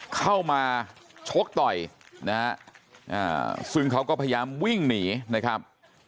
เข้ามาชกต่อยนะฮะซึ่งเขาก็พยายามวิ่งหนีนะครับ